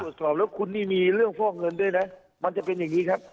ตรวจสอบแล้วคุณนี่มีเรื่องฟอกเงินด้วยนะมันจะเป็นอย่างนี้ครับ